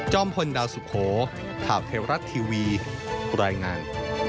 พลดาวสุโขข่าวเทวรัฐทีวีรายงาน